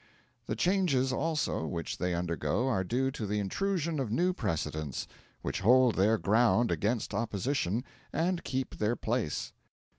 The changes also which they undergo are due to the intrusion of new precedents, which hold their ground against opposition, and keep their place.